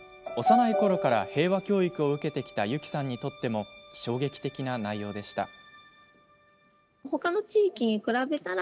幼いころから平和教育を受けてきた由希さんにとっても衝撃的な内容でした。